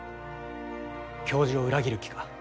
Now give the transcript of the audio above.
教授を裏切る気か？